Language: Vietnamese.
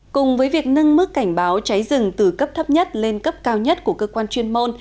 cùng với việc nâng mức cảnh báo cháy rừng từ cấp thấp nhất lên cấp cao nhất của cơ quan chuyên môn